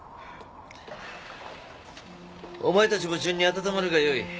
お前たちも順に温まるがよい